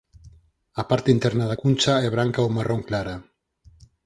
A parte interna da cuncha é branca ou marrón clara.